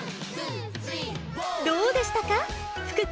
どうでしたか？